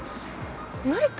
成田？